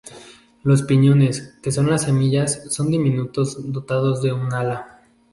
Los piñones, que son las semillas, son diminutos, dotados de un ala.